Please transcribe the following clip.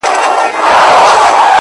• مخته چي دښمن راسي تېره نه وي؛